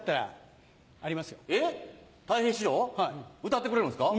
歌ってくれるんですか？